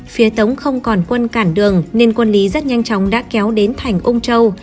phía tống không còn quân cản đường nên quân lý rất nhanh chóng đã kéo đến thành ông châu